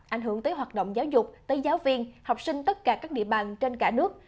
ảnh hưởng tới hoạt động giáo dục tới giáo viên học sinh tất cả các địa bàn trên cả nước